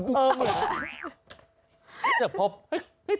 เหมือน